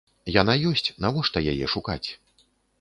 Яна ёсць, навошта яе шукаць?